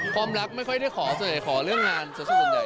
ความรักไม่ค่อยได้ขอเสียขอเรื่องงานสะสุดใหญ่